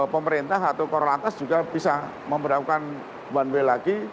pemerintah atau korlantas juga bisa memperlakukan one way lagi